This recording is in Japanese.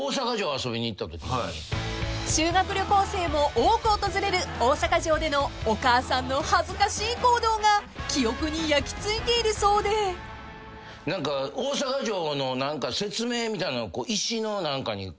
［修学旅行生も多く訪れる大阪城でのお母さんの恥ずかしい行動が記憶に焼きついているそうで］ありますね。